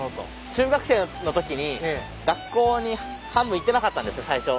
中学生のときに学校に半分行ってなかったんです最初。